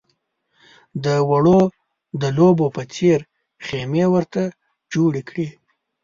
د وړو د لوبو په څېر خېمې ورته جوړې کړې.